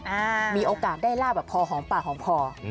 อ่ามีโอกาสได้ลาบแบบพอหอมปากหอมคอ